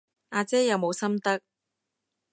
阿姐有冇心得？